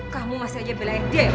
kamu masih aja beledek